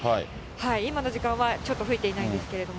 今の時間はちょっと吹いていないんですけれども。